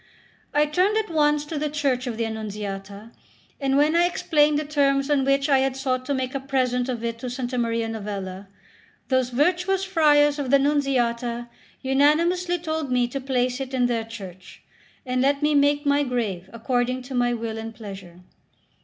I turned at once to the church of the Annunziata, and when I explained the terms on which I had sought to make a present of it to S. Maria Novella, those virtuous friars of the Nunziata unanimously told me to place it in their church, and let me make my grave according to my will and pleasure.